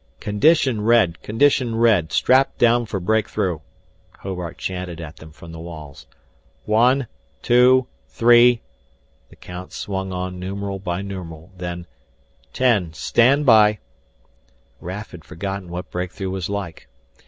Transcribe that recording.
"Condition red condition red Strap down for breakthrough " Hobart chanted at them from the walls. "One, two, three" the count swung on numeral by numeral; then "ten Stand by " Raf had forgotten what breakthrough was like.